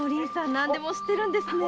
何でも知ってるんですねえ！